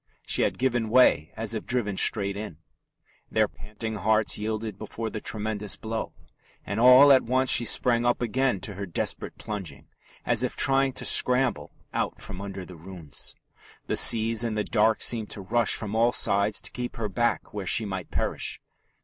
She had given way as if driven straight in. Their panting hearts yielded before the tremendous blow; and all at once she sprang up again to her desperate plunging, as if trying to scramble out from under the ruins. The seas in the dark seemed to rush from all sides to keep her back where she might perish.